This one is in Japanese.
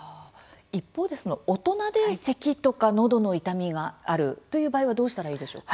一方で、大人でせきとかのどの痛みがあるという場合はどうしたらいいでしょうか？